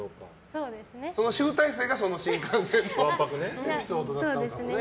その集大成がその新幹線のエピソードだったのかもね。